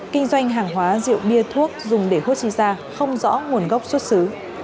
kinh doanh hàng hóa rượu bia thuốc dùng để hút chi ra không rõ nguồn gốc xuất xứ